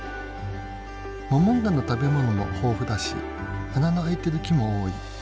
モモンガの食べ物も豊富だし穴の開いてる木も多い。